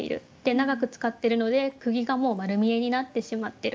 長く使っているので釘がもうまる見えになってしまっている。